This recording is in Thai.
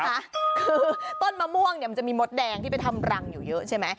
คือต้นมะม่วงเนี่ยมันจะมีมดแดงที่ไปทำรังอยู่เยอะใช่ไหม